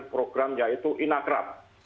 program yaitu inacrap